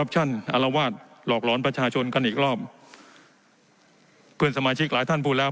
อารวาสหลอกหลอนประชาชนกันอีกรอบเพื่อนสมาชิกหลายท่านพูดแล้ว